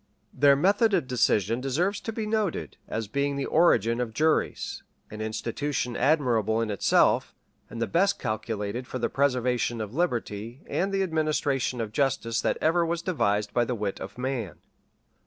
[*] Their method of decision deserves to be noted, as being the origin of juries; an institution admirable in itself, and the best calculated for the preservation of liberty and the administration of justice that ever was devised by the wit of man.